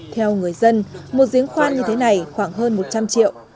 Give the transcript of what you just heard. theo người dân một giếng khoan như thế này khoảng hơn một trăm linh triệu